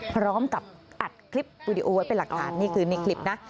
พร้อมกับอัดคลิปวิดีโอไว้เป็นหลักฐานนี่คือในคลิปนะ